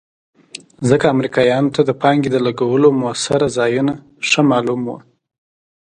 ځکه امریکایانو ته د پانګې د لګولو مؤثر ځایونه ښه معلوم وو.